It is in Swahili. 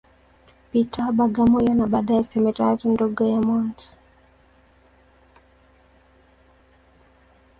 Peter, Bagamoyo, na baadaye Seminari ndogo ya Mt.